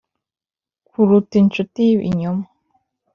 kuruta inshuti y'ibinyoma